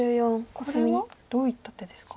これはどういった手ですか？